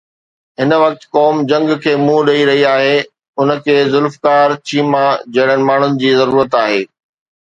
هن وقت قوم جنگ کي منهن ڏئي رهي آهي، ان کي ذوالفقار چيما جهڙن ماڻهن جي ضرورت آهي.